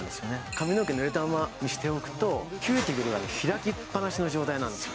髪の毛濡れたままにしておくとキューティクルが開きっぱなしの状態なんですよ